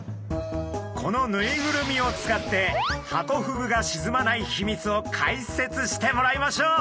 このぬいぐるみを使ってハコフグが沈まないヒミツを解説してもらいましょう！